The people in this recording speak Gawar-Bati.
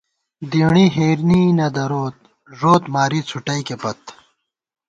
دېݨی ہېنی نہ دَرِت ، ݫوت ماری څھُٹئیکے پت